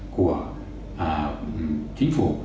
của chính phủ